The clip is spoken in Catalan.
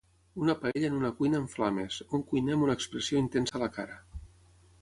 Una paella en una cuina en flames, un cuiner amb una expressió intensa a la cara